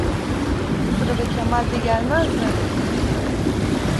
Bu sırada Kemal de gelmez mi?